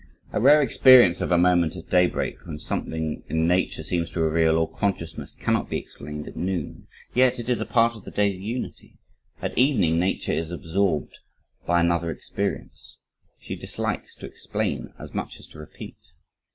A rare experience of a moment at daybreak, when something in nature seems to reveal all consciousness, cannot be explained at noon. Yet it is a part of the day's unity. At evening, nature is absorbed by another experience. She dislikes to explain as much as to repeat.